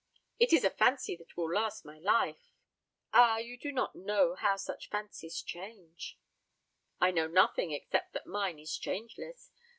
"It is a fancy that will last my life." "Ah, you do not know how such fancies change." "I know nothing except that mine is changeless.